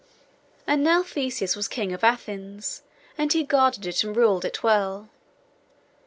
And now Theseus was king of Athens, and he guarded it and ruled it well.